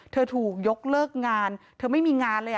ถูกยกเลิกงานเธอไม่มีงานเลย